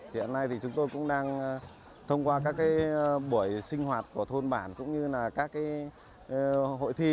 hiện nay thì chúng tôi cũng đang thông qua các buổi sinh hoạt của thôn bản cũng như là các hội thi